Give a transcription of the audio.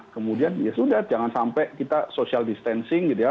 kemudian ya sudah jangan sampai kita social distancing gitu ya